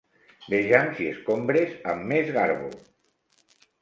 Vejam si escombres amb més garbo!